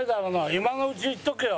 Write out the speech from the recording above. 今のうち言っとけよ！